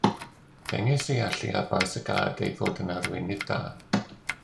Dengys ei allu ar faes y gad ei fod yn arweinydd da